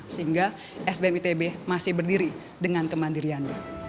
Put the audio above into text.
sehingga sbm itb masih berdiri dengan kemandiriannya